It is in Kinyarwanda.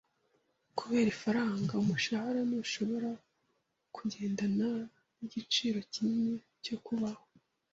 Kubera ifaranga, umushahara ntushobora kugendana nigiciro kinini cyo kubaho.